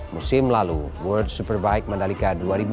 musim lalu world superbike mandalika